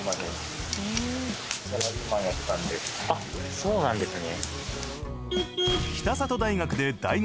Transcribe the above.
そうなんですね。